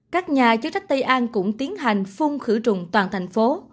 các nhà chức trách tây an cũng tiến hành phun khử trùng toàn thành phố